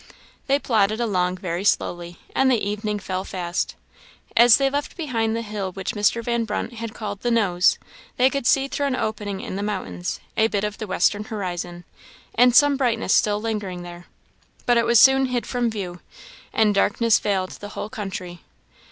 They plodded along very slowly, and the evening fell fast. As they left behind the hill which Mr. Van Brunt had called "the Nose," they could see through an opening in the mountains, a bit of the western horizon, and some brightness still lingering there; but it was soon hid from view, and darkness veiled the whole country.